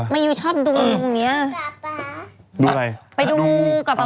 ไปดูงูกับป๊า